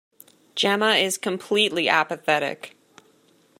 Jemma is completely apathetic.